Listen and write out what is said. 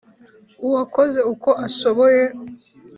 uwakoze uko ashoboye